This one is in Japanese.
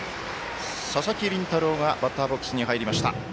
佐々木麟太郎がバッターボックスに入りました。